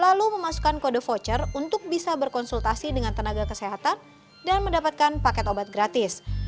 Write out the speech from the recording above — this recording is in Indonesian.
lalu memasukkan kode voucher untuk bisa berkonsultasi dengan tenaga kesehatan dan mendapatkan paket obat gratis